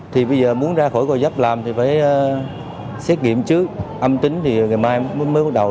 thì bây giờ muốn ra khỏi gò dấp làm thì phải xét nghiệm trước âm tính thì ngày mai mới bắt đầu